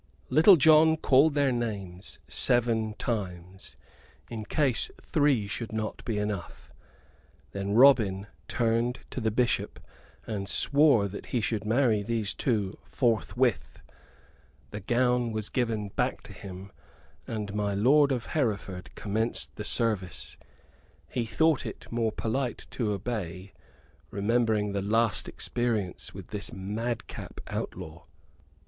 Little John called their names seven times, in case three should not be enough. Then Robin turned to the Bishop and swore that he should marry these two forthwith. The gown was given back to him, and my lord of Hereford commenced the service. He thought it more polite to obey, remembering his last experience with this madcap outlaw.